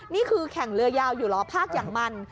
นี่คือแข่งเรือยาวอยู่เหรอภาคอย่างมัน